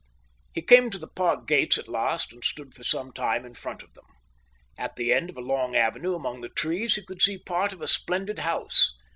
He came to the park gates at last and stood for some time in front of them. At the end of a long avenue, among the trees, he could see part of a splendid house.